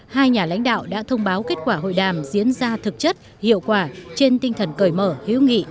hai nhà lãnh đạo đã thông báo kết quả hội đàm diễn ra thực chất hiệu quả trên tinh thần cởi mở hữu nghị